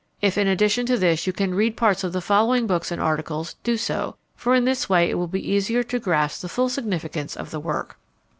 If in addition to this you can read parts of the following books and articles, do so; for in this way it will be easier to grasp the full significance of the work.